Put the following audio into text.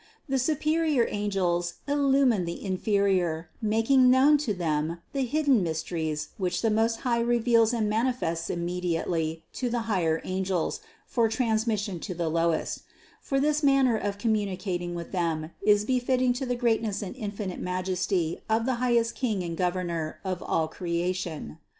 The superior angels illumine the inferior, mak ing known to them the hidden mysteries which the Most High reveals and manifests immediately to the higher angels for transmission to the lowest ; for this manner of communicating with them is befitting to the greatness and 502 CITY OF GOD infinite majesty of the highest King and Governor of all creation.